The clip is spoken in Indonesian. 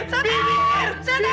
setan setan setan